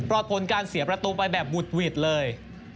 รอดพ้นการเสียประตูไปแบบหวุดหวีดเลย